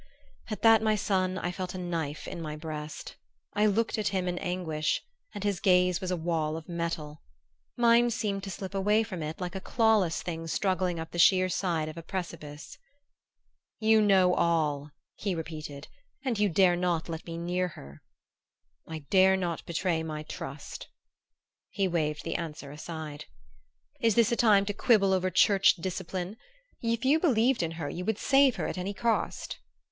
At that, my son, I felt a knife in my breast. I looked at him in anguish and his gaze was a wall of metal. Mine seemed to slip away from it, like a clawless thing struggling up the sheer side of a precipice. "You know all," he repeated, "and you dare not let me hear her!" "I dare not betray my trust." He waved the answer aside. "Is this a time to quibble over church discipline? If you believed in her you would save her at any cost!"